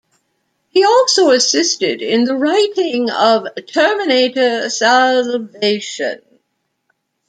He also assisted in the writing of "Terminator Salvation".